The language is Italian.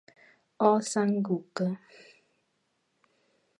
Oh Sang-uk